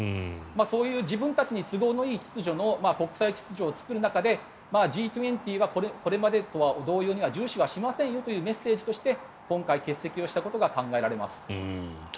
そういう自分たちに都合のいい秩序の国際秩序を作る中でＧ２０はこれまでとは同様には重視はしませんよというメッセージとして今回欠席をしたことが考えられます。